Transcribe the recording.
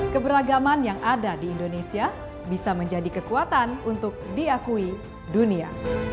keberagaman yang ada di indonesia bisa menjadi kekuatan untuk diakui dunia